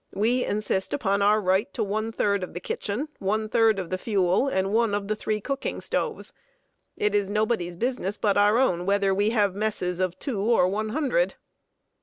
We insist upon our right to one third of the kitchen, one third of the fuel, and one of the three cooking stoves. It is nobody's business but our own whether we have messes of two or one hundred."